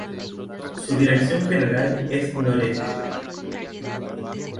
Su dirección general es noreste.